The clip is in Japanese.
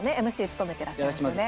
ＭＣ務めてらっしゃいますよね。